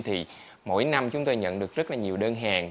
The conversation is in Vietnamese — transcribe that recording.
thì mỗi năm chúng tôi nhận được rất là nhiều đơn hàng